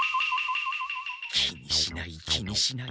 気にしない気にしない。